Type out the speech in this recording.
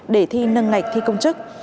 để thi nâng ngạch thi công chức